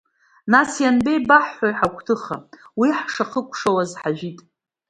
Нас ианбеибаҳҳәои ҳагәҭыха, уи ҳшахыкәшауаз ҳажәит?!